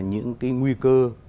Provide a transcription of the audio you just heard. những cái nguy cơ